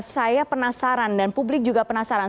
saya penasaran dan publik juga penasaran